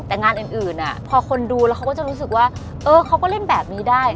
แต่งานอื่นพอคนดูแล้วเขาก็จะรู้สึกว่าเออเขาก็เล่นแบบนี้ได้